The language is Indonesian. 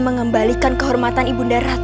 mengembalikan kehormatan ibu darah